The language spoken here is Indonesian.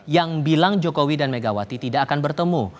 yang bilang jokowi dan megawati tidak akan bertemu